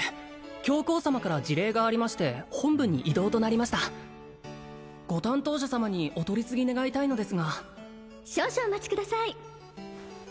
教皇様から辞令がありまして本部に異動となりましたご担当者様にお取り次ぎ願いたいのですが少々お待ちください